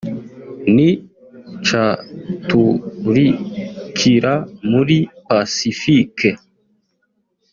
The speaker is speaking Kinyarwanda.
ni caturikira muri Pacifique